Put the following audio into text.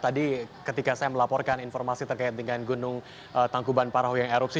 tadi ketika saya melaporkan informasi terkait dengan gunung tangkuban parahu yang erupsi